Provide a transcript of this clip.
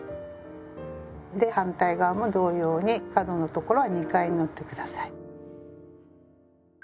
で反対側も同様に角の所は２回縫ってください。